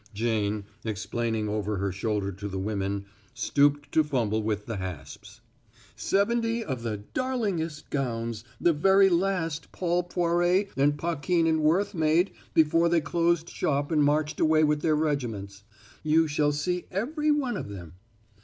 Jane, explaining over her shoulder to the women, stooped to fumble with the hasps. "Seventy of the darlingest gowns the very last Paul Poiret and Paquin and Worth made before they closed shop and marched away with their regiments. You shall see every one of them."